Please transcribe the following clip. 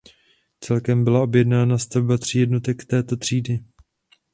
Celkem byla objednána stavba tří jednotek této třídy.